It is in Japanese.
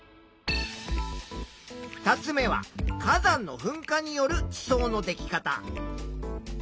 ２つ目は火山のふんかによる地層のでき方。